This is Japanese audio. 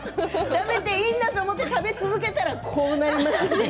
食べていいんだと思って食べ続けたら、こうなります。